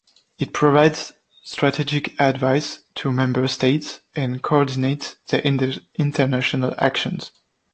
It provides strategic advice to member states and coordinates their international actions.